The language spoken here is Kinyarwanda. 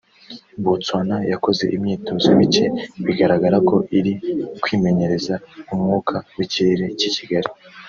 Botswana yakoze imyitozo micye bigaragara ko iri kwimenyereza umwuka w’ikirere cy’i Kigali